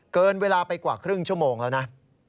เกินเวลาไปกว่าครึ่งชั่วโมงแล้วนะ